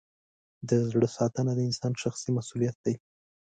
د زړه ساتنه د انسان شخصي مسؤلیت دی.